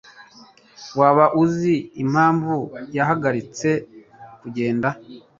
Waba uzi impamvu yahagaritse kugenda?